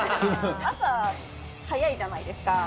朝、早いじゃないですか。